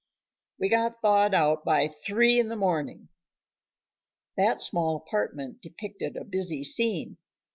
We got thawed out by three in the morning. That small apartment depicted a busy scene.